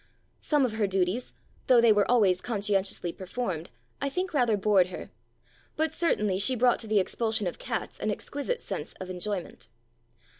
Some of her duties, though they were always conscientiously performed, I think rather bored her, but certainly she brought to the expulsion of cats an exquisite sense of enjoy ment.